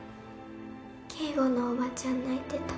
圭吾のおばちゃん泣いてた。